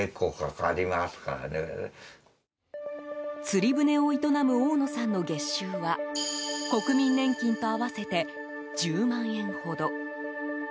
釣り船を営む大野さんの月収は国民年金と合わせて１０万円ほど。